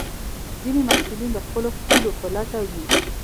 ځینې محصلین د خپلو هیلو په لټه وي.